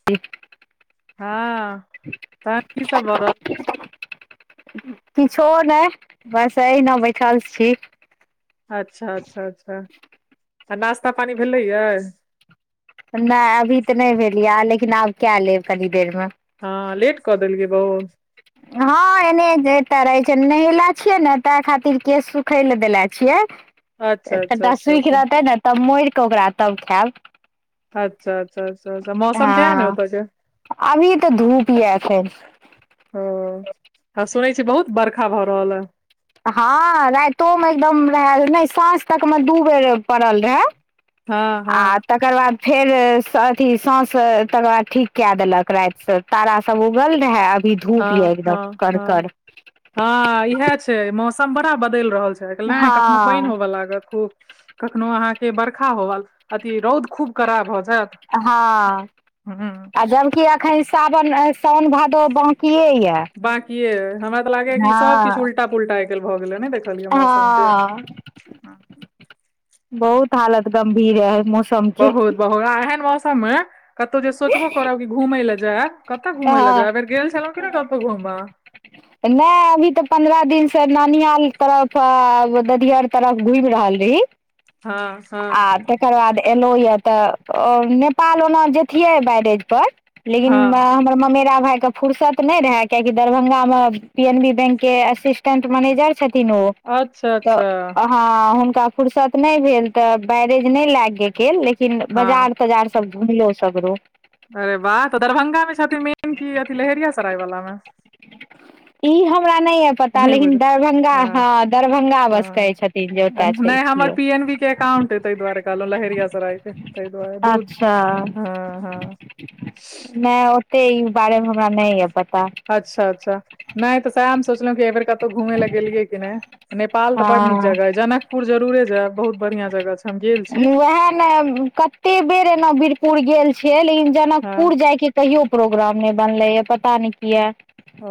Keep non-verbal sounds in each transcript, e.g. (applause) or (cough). (unintelligible) हँ तहन की सब भ र किछो नहि बस एहिना बैठल छी अच्छा अच्छा अच्छा तऽ नाास्ता पानी भेलैयए नहि अभी तऽ नहि भेल यै लेकिन आब कए लेब कनि देर मे हँ लेट कऽ देलियै बहुत हँ एने एते रहै छै नहेले छियै ने ताहि खातिर केश सुखय लए देेले छियै ए अच्छा अच्छा कनिटा अच्छा सूखि अच्छा रहतै ने तब मोड़ कऽ ओकरा तब खायब अच्छा अच्छा अच्छाच्छा मौसम केहन अय हँ ओत्तके अभी तऽ धूप य अखैन हं आ सुनै छी बहुत बर्खा भऽ रहल अए हँ राइतोमे एकदम रहए नहि साँझ तकमे दू बेर पड़ल रहए हँ आ हँ तकर बाद फेर अथी साँस तकर बाद ठीक कए देलक रातिसँ तारा सब उगल रहै अभी धूप ये हँ एकदम हँ हँ करकड़ हँ इएह छै मौसम बड़ा बदलि रहल छै कखनो पानि हँ होबय लाग खूब कखनो अहाँ के बरखा होल अती रौद खूब खराब हो हँ आ जबकि एखन सावन साओन भादो बाँकिए यऽ बाकीयै हमरा तऽ लागे ह क सबकछु हँ उल्टा पुलटा भऽ गेल ने देखलियै मौसम के हँ बहुत हालत गं्भीर है है बहुत बहुत आ एहन मौसममे कतहु जे सोचबो करब कि घूमय लए जाय कतऽ घुमय लए हँ जा बेर गेल छलहुँ कि नहि कतऽ घुमबऽ नहि अभी तऽ पन्द्रह दिनसँ ननीयर तरफ ददियर तरफ घुमि रहल रही हँ हँ आ तकर बाद एलहुँ यऽ तऽ नेपाल ओना जतियै बैरेज पर लेकिन हँ हमरा म भााय के फुर्सत नहि रहे कियाकि दरभंगा मे पी एन बी बैंक के असिस्टेंट मैनेजर छथिन ओ अच्छा तऽ अच्छा हा हुनका फुर्सत नहि भेल तऽ बैरेज नहि लाग गेल गेल लेकिन हँ बजार तजार सब घुमलो सगरो अरे वाह तऽ दरभंगा मे छथिन मै की अथी लहेरिया सराय वालला मे ई हमरा नहि य पता नहि लेकिन बुझल दरभङ्गा हँ दरभङ्गा बस हँ कहै छथिन जे ओतय छियौ एकाउंटे तै दुआरे कहलौं लहेरियासराय के तै दुआरे दूध। अच्छा हँ हँ नहि ओते ई बारे मे हमरा नहि अ अच्छा अच्छा नहि तऽ सएह हम सोचलहुं कि बेेर कतहु घूमय लए गेलियै कि नहि नेपाल तऽ बड नीक हँ जगह है जनक पुर जरूरे जाय बहुत बढ़ियां जगह छै हम गेल छी उएह ने क एते बेर एना वीरपुर गेल छियै लेकिन जनकपुर हँ जाय के कहियो प्रोग्राम नहि बनलैए पता न कए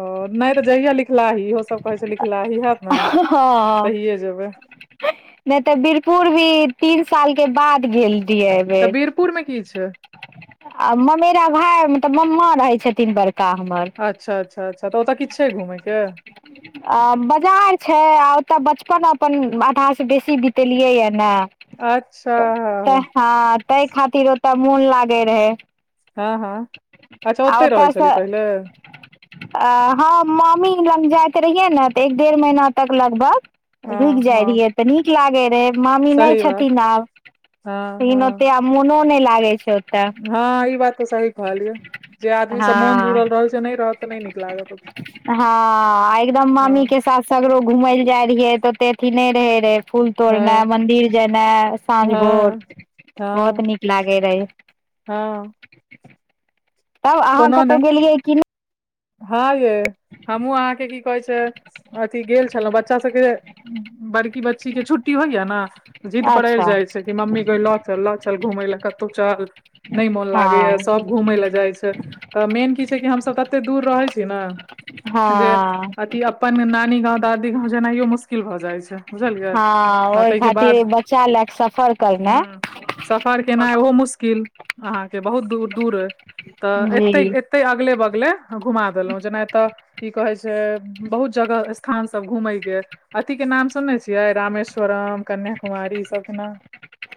ओ नहि तऽ जहिया लिखलाही इहो सब कहे छै लिखलाही हत ने हँ तहिये जेबे नहि तऽ वीरपुर भी तीन साल के बाद गेल ड ए बे तऽ बीरपुर मे की छै आ मरा भाय मतलब ममा रहे छथिन बड़का हमर अच्छा अच्छा अच्छा तऽ ओतऽ किछु छै घूमय के अ बाजार छै आ ओतऽ बचपन अपन आधा से बेसी बते लियै य ने अच्छा तऽ हँ ह हँ ताहि खातिर ओतऽ मोन लागे रहए हँ हँ अच्छा आ ओतहि रहै छली ओतयसँ पहिले हँ मामी लग जाइत रहियै ने तऽ एक डेढ़ महीना तक लगभग हँ रुकि जाइ हँ रहियै तऽ नीक लागै रहै मामी नहि सही बात छथिन आब हँ हँ लेकिन ओते आब। मोनो नहि लागे छै ओतऽ हँ ई बात तऽ सही कहल ये जे आदमी सब मोन हँ जुड़ल रहल छै नहि रहत तऽ नहि नीक लागत ओत हँ एकदम मामी के साथ सगरो घुमय लए जाइ रहिये तऽ ओते अथी नहि रहे रे फूल हँ तोड़नाइ मंदिर जेनाइ साँझ भोर हँ बहुत हँ नीक लागे रहय हँ तब अहाँ कोनो कतहु नहि गेलियै कि नहि हँ ये हमहुँ अहाँके की कहै छै अथी गेल छलहुँ बच्चा सभके बड़की बच्चीके छुट्टी होइया ने जिद्द पड़ि अच्छा जाइ छै कि मम्मी कह लऽ चल लऽ चल घूमय लए कतहु चल नहि मोन लागै य हँ सब घूमय लए जाइ छै तऽ मेन की छै कि हमसब तते दूर रहै छी ने जे हँ अथी अपन नानी गाँव दादी गाँव जेनाइयो मुश्किल भऽ जाइ छै बुझलियै हँ आ ओहि ताहिके खातिर बाद बच्चा लए कऽ सफर करनाइ सफर केनाइ ओहो मुश्किल अहाँके बहुत दूर दूर तऽ एते जी एते अगले बगले घुमा देलहुं जेना एतऽ की कहे छै बहुत जगह स्थान सब घूमेय के अथी के नाम सुनने छियै रामेश्वरम कन्यकुमार सब के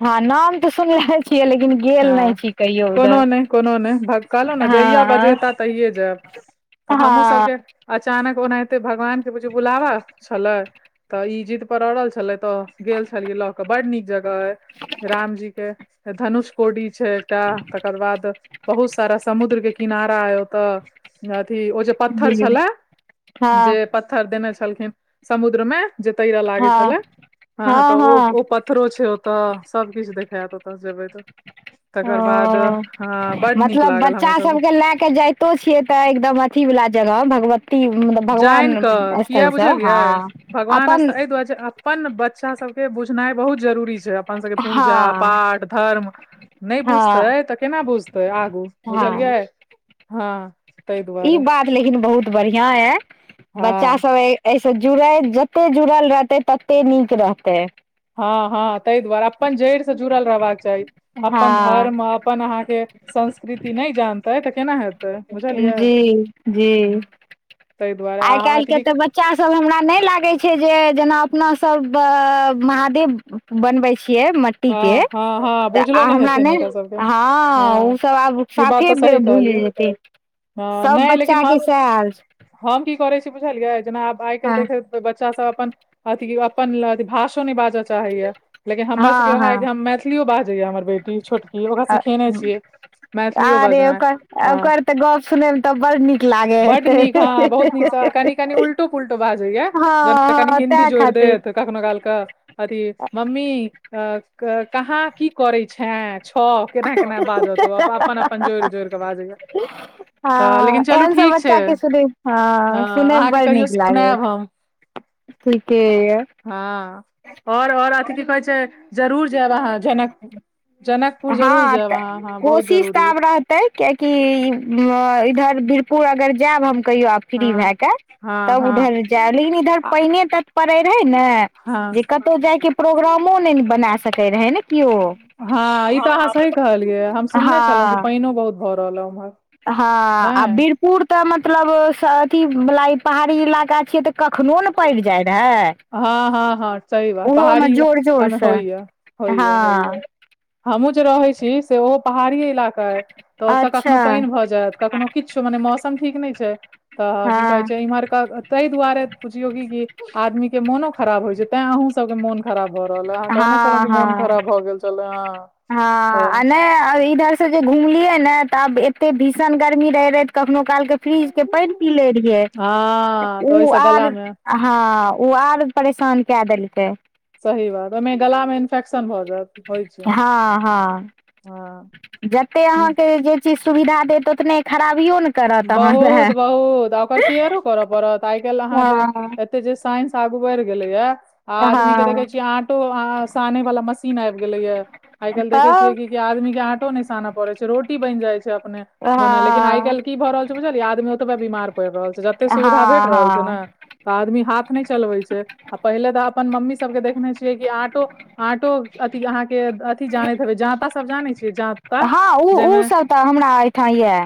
हँ नाम तऽ सुनले छियै लेकिन गेल नहि हँ छी कहियो उधर कोनो नहि कोनो नहि भ कहलहु ने जहिया हँ बजेता तहिए जायब तऽ हमूँ हँ सबके अचानक ओनाहिते भगवान के बुझ बुलावा छलै तऽ इ जिद पर अड़ल छले तऽ गेल छलियै लऽ कऽ बड नीक जगह रामजी के धनुष कोडी छै एकटा तकर बाद बहुत सारा समुद्र किनारा ओतऽ अथी ओ जे पत्थर जी छलै हँ जे पतथर देने छलखिन समुद्र में जे तैरा लागे हँ छले ह हँ तऽ हँ ओ परो छै होता सब किछु देखखायत होता जबै तऽ तकर बाद ओ हँ बड नीक मतलब लागल हमरा बच्चा सबके लए के जत छियै तऽ एकदम अथी वाला जगह भगवत अी मतलब भगवान जानि कऽ किया स्थलसँ बुझलियै हँ भगवान अपन स्था एहि दुआरे छै अपन बच्चा सबके बुझनाइ बहुत जरूरी छै अपन सबके पूजा हँ पाठ धर्म नय बुझतै हँ तऽ केना बुझतै आगू हँ बुझलियै हँ ताहि ई दुआरे बात लेकिन बहुत बढ़ियाँ य हँ बच्चा सब एहिसँ जुड़ै जते जुड़ल रहतै तते नीक रहतै हँ हँ तहि दुआरे अपन जड़ि से जुड़ल रहबाक चाही अपन हँ धर्म अपन अहाँ के संस्कृति नय जानतै तऽ केना हेत जी जी ताहि दुआरे आइ अहाँ काल्हि अथी के की- त ब बच्चासब हमरा नहि लागै छै जे जेना अपनासभ महादेव बनबै छियै मिट्टी के हँ हँ हँ तऽ आ बुझलो हमरा हेतनि नहि हिनका सभके हँ ओ सब आब ई बात साफे तऽ सही भूलि कहलियै हँ सब नहि बच्चा लेकिन के हम स हाल हम की करै छी बुझलियै जेना आब आइ हँ काल्हि देख बच्चा सब अपन अथी अपन भाषो नै बाजल चाहैया लेकिन हमर हँ सबके उएहै हँ कि हम मैथिलियो बाजैया हमर बेटी छोट कि ओकरा सिखेने छियै मैथिलियो आरे बजनाइ ओकर ह ओकर तऽ गप सुनैमे तऽ ब नीक लागे हेतै नीक हँ बहुत नीकसँ कनि कनि उल्टो पुलटो बाजैया जेना हँ कनि हँ त हिन्दी जोड़ि खातिर देत कखनो कालका अथी मम्मी अ कहाँ की करै छै छौ केना केना बाजत तो अपन अपन जोड़ि जोड़ के बाजेगा (inaudible) हँ एहन सब छै बच्चा के सु ह हँ सुनै मे अहाँके बड़ कहियो नीक लागे सुनायब हम ठीके यऽ हँ ओर ओर अथि की कहै छै जरूर जायब अहाँ जनकपुर जनकपुर जरूर जायब अहाँ हाँ बहुत जरूरी कियाकि इधर वीरपुर अगर जायब हम कहियो हँ फ्री भए का हँ तब हँ उधर दिल्ली इधर पैनीए तत पे रहे ने हँ जे कतौ जाय के प्रोग्राम ओऽ ने बना स सकै रहै ने कि ओ हँ ई तऽ अहाँ सही कहलियै हम सुनने छलहुँ कि हँ पानियो बहुत भऽ रहल ह उम्हर हँ आ नहि वीरपुर तऽ मतलब अथीवला पहाड़ी इलाका छियै तऽ कखनो ने प‌इन जाय रहय हँ हँ हँ सही बात पहाड़ी जोर इलाका जोर में से होइ य होइ य हँ होइ य हमहुँ जे रहै छी से ओहो पहाड़ी इलाका अइ तऽ ओतय अच्छा कखनो पानि भऽ जैत कखनो किछु मने मौसम ठीक नहि छै तऽ की कहै हँ छै इमहरक तहि दुआरे पुछियो की क आदमी के मोनो खराब होय छै तैं अहूं सब के मोन खराब भऽ रहल है अहाँ कहने छलहुं हँ की मोन हँ खराब भऽ गेल छलै ह हँ आ नहि इधर से जे घुमलियै ने तऽ आब एते भीषण गर्मी रहै रहै कखनो कालके फ्रिज के पनि पी लै हँ रहियैऽ तऽ ओ ओहिसँ गला आर मे हँ ओ आर परेशान कए देलकै सही बात ओहि में गला में इन्फेक्शन भऽ जायत होइ छै हँ हँ हँ जते अहाँके जे चीज सुविधा देत ओतने खराबियो ने करत अहाँ बहुत लए बहुत आ ओकर की आरो करऽ पड़त आइ काल्हि अहाँ जे हँ ते जे साइंस आगू बइढ़ गेलै या आदमी के हँ देखे छीयै आटो सानै वला मशीन आबि गेले ये आइ काल्हि देखै छियै तऽ कि आदमी के आँटो नहि सानय पड़ैत छै रोटी बनि जाइ छै अपने मोने लेकिन आइ हँ काल्हि की भऽ रहल छै बुझलियै आदमी ओतबे बीमार पड़ि रहल छै जते सुविधा भेट हँ रहल छै न हँ तऽ आदमी हाथ नय चलबै छै आ पहिले तऽ अपन मम्मी सबके देखने छियै कि आँटो आँटो अथ अहाँके अथी जानैत हेबै जाता सब जानै छियै जाता हँ ओ ओसब तऽ हमरा एहिठाम यऽ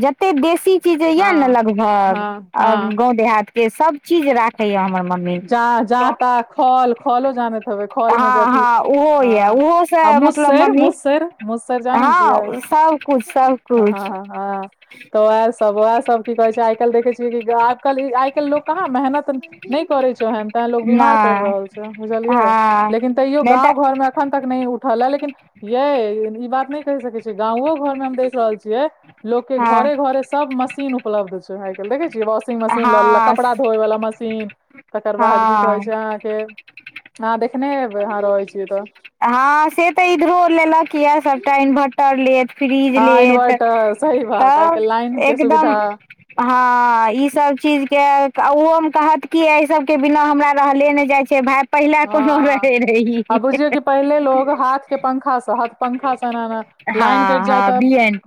जतेक बेसी चीज यए ने हँ लगभग हँ हँ गाँव देहात के सब चीज राखै या हमर म जा जा त खल खलो ज खलमेज हँ अथी हँ ओहो यऽ ओहो आ से मतलब मुसेर मम्मी मुसेर मुसेर जानै छियै हँ सबकुछ सबकुछ हँ तऽ उएहसब उएह सब की कहे छै आइ काल्हि देखै छियै कि आ कल आइ काल्हि लोको कहाँ मेहनत नहि करै छै ओहन ते लोग बीमार पड़ि नहि रहल छै बुझलियै हँ लेकिन तैयो नहि तऽ गाँव घर मे खन तक नय उठालय लेकिन ये ई बात नहि कहि सकै छियै गाँवो घरमे हम देख रहल छियै लोको के हँ घरे घरे सब मशीन उपलब्ध छै देखे छियै वाशिंग मशीन ल लेले हँ कपड़ा धोए वला मशीन तकर बाद की कहे हँ छै अहाँ के अहाँ देखने हेबै अहाँ रहै छियै तऽ हँ से तऽ इधरो लेलक यए सबटा इन्वर्टर लेत फ्रीज हँ लेत इन्वर्टर सही बात आइ तब काल्हि लाइन के एकदम सुविधा हँ ईसब चीजके ओहोमे कहत की एहिसभके बिना हमरा रहले नहि जाइत छै भाय पहिला कोनो हँ रहै रही आ बुझियौ कि पहिले लोग हाथ के पंखा से हाथ पंखा ऐना लाइन कटि हँ जाय हँ तऽ बी एन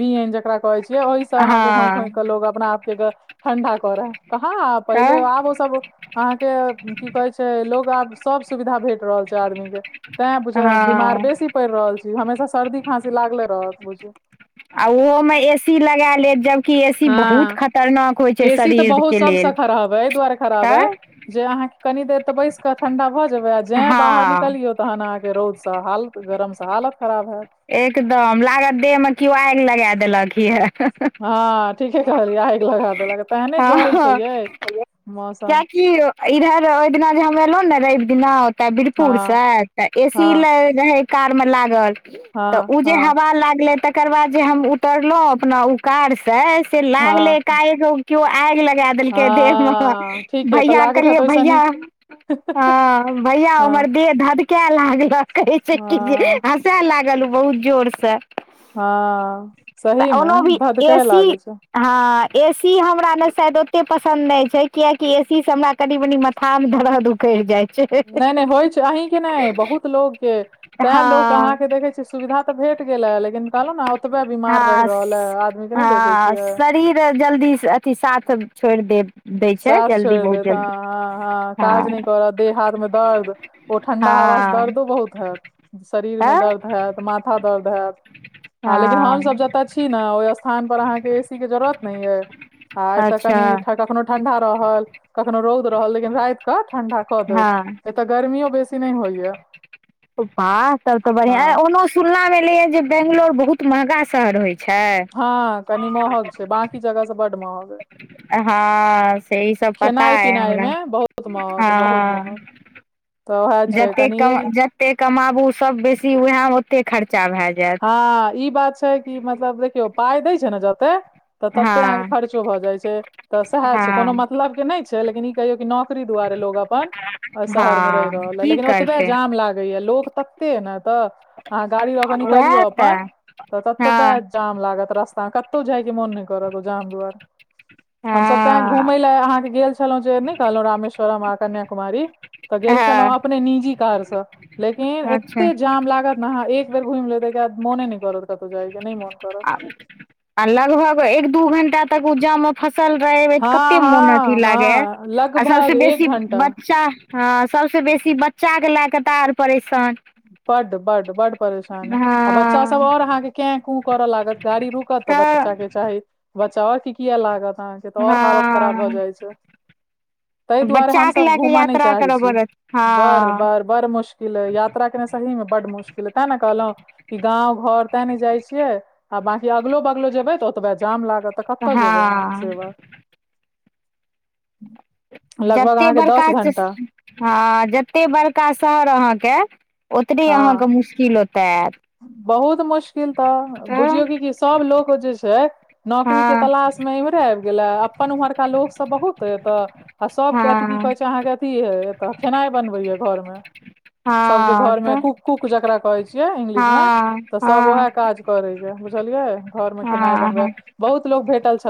बिएन जकरा कहै छियै ओहिसँ अहाँके होंक हँ होंक कऽ लोक अपना आपके गर्मी ठंडा करै कहाँ पहिले तऽ आब ओ सब अहाँ के की कहे छै लोग आब सब सुविधा भेट रहल छै आदमी के तैं बुझ बीमार हँ बेसी पइर रहल छी हमेशा सर्दी खाँसी लागले रहत बुझियौ आ ओहो में ए सी लगा लेत जबकि ए सी हँ बहुत खतरनाक होइ छै शरीर के लेल (unintelligible) जैं तऽ बाहर हँ निकलियौ तहन अहाँके रौदसँ हालत गरमसँ हालत खराब हैत एकदम लागत देह में किओ आगि लगा देलक यऽ हँ ठीके कहलियै आइग लगा देलक तेहने जड़े छै ये किएकि इधर ओहि दिना जे हम एयलहुँ ने रवि दिना ओतऽ हँ बीरपुरसँ तऽ एसी हँ रहे कार में लागल तऽ हँ ओ जे हँ हवा लागले तऽ तकर बाद जे हम उतरलौं अपना उकार से से लागले हँ एकाएक केो आग ल कै देलकै देहमे हँ ठीक य तऽ भैया लागैत हैत कहलियै ओहिसँ भैया नीक ह भैया हमर हँ देह धदकै लागलक कहै छै कि जे हँ सएह लागल ओ बहुत जोर से हँ सही तऽ ओनो भी में भदकय एसी लागै छै हँ ए सी हमरा ने शायद ओतेक पसन्द नहि छै कियकि ए सी से हमरा कनी मनी माथा में दर्द उखड़ जाइ छै नय नय होइ छै अहीं के नहि बहुत लोग के तैं लोक अहाँ हँ के देख देखे छियै सुविधा तऽ भेट गेल है लेकिन कहलहु ने ओतबे बीमार रहि हँ रहल है आदमी के नहि देखे हँ छियै शरीर जल्दी अथी साथ छोइड़ देब साथ छोड़ि देैत हँ हँ हँ काज नहि करत देह हाथ में दर्द ओ ठंडा हवा से हँ दर्दो बहुत हैत शरीर में तऽ दर्द हैत माथ दर्द होयत हं लेकिन हँ हमस जतऽ छी ना ओहि स्थान पर अहाँ के ए सी के जरूअत नहि ये आ एतऽ अच्छा कनि कखनो ठंडा रहल कख रौद रहल लेकिन र कऽ ठंडा क हँ देतऽ एतअ गर्मियों बेसी नहि होइया वाह सब तो बढ़िआ हँ ओहो सुनना में एले है जे बेंगलोर बहुत महगा शहर होइ छै हँ कनि महग छै बाकी जगह से बड महग अइ हँ से ई सब पता खेनाइ यै पिनाइ हमरा मे बहुत महग बहुत हँ (inaudible) छै जतेक कनि कमा जतेक कमाबू सब बेसी उएहमे ओतेक खर्चा भए जायत हँ ई बात छै कि मतलब देखियौ पाइ दै छै ने जते तऽ तते अहाँ के हँ खर्चो भऽ जाय छै तऽ सएह छै कोनो हँ मतलब के नहि छै लेकिन ई कहियो कि नाक दुआरे लोग अपन शहर में रहि हँ रहल है की लेकिन ओतबे करतै जाम लागैए लोक तते ने तऽ आंहा गाड़ी ल कऽ निकलियौ उएह अपन तऽ ततबे हँ जाम लागत रास्ता मे कतौ जाय के मोन नहि करत ओ जाम दुआरे हमसभ तैं हँ घूमय लै अहाँके गेल छलहुँ जे नै कहलहुँ रमेश्वरम आ कन्याकुमारी तऽ गेल छलहुं हँ अपने निजी कार से लेकिन अच्छा एते जाम लागल नहा एक बेर घुमि लेतय एकर बाद मोने नहि करत कतौ जाय के नहि मोन करत आ आ लगभग एक दू घंटा तक उ जाम फसल रह एबे तऽ कते हँ मोन अथी हँ लागे हँ आ सबसे लगभग एक बेसी घंटा बच्चा हँ सबसे बेसी बच्चा के लै के तऽ आर परेशान बड बड बड परेशानी आ बच्चा सब हँ ओर अहाँके कैं कूं करऽ लागत गाड़ी रुकत तऽ बच्चा के चाही बच्चा ओर के किया लागत अहाँके तऽ और हालत खराब भ हँ जाय छै ताहि दुआरे बच्चा के हमसभ लए के घूमऽ नहि यात्रा चाहैत करऽ छी पड़त बड़ हँ बड़ बड़ मुश्किल ह यात्रा यात्रा सही में बड मुश्किल है तें ने कहलहुं गाँंव घर तें ने जाइ छियै आ बाकी अगलो बगलो जेबै तऽ ओतबे जाम लागत तऽ कतऽ जेबै अहाँ हँ से बात लगभग जते अहाँके बड़का दस घंटा हँ जतेक बड़का शहर अहाँके ओतबे हँ अहाँके मुश्किल ओतय ऐत बहुत मुश्किल तऽ बुझियौ तऽ की सभ लोक जे छै नौकरी के हँ तलाशमे एम्हरे आबि गेलए अपन उम्हरका लोकसब बहुत एतऽ आ सबके अथी की हँ कहै छै अहाँके अथी हे एतऽ खेनाइ बनबैया घरमे सबके हँ घर में तऽ कूक कूक जकरा कहे छियै इंगलिश में हँ तऽ सब हँ उहै‌ काज करे यै बुझलियै घर में खेनाइ हँ हँ बनबै बहुत लोक भेटल छलै